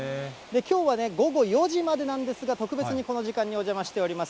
きょうはね、午後４時までなんですが、特別にこの時間にお邪魔しております。